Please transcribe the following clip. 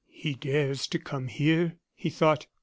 "He dares to come here!" he thought.